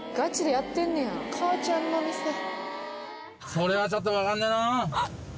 これはちょっとわかんねえな。